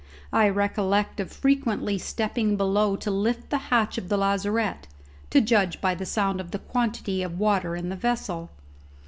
I recollect of frequently stepping below to lift the hatch of the lazarette, to judge by the sound of the quantity of water in the vessel.